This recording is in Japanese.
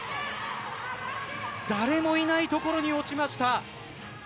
誰もいないところに落ちました。